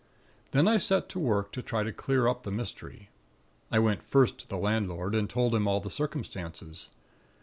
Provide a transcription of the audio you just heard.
"Then I set to work to try to clear up the mystery. I went first to the landlord, and told him all the circumstances.